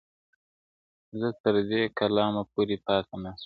ه زه تر دې کلامه پوري پاته نه سوم